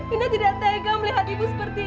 anda tidak tega melihat ibu seperti ini